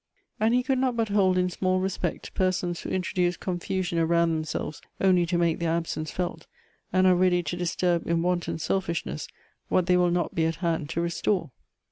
And he could not but hold in small respect, persons who introduce confusion around themselves only to make their absence felt, and are ready to disturb in wanton selfishness what they will not be at hand to restore.